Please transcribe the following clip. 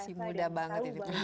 masih muda banget ini